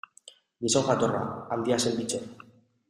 Gizon jatorra, handia zen Bittor.